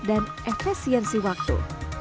dan efesiensi waktu